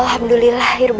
kamu mengerti karma ernesto